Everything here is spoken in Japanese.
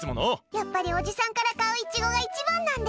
やっぱりおじさんから買うイチゴが一番なんで。